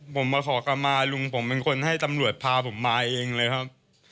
ผมมาขอกลับมาลุงผมเป็นคนให้ตำรวจพาผมมาเองเลยครับ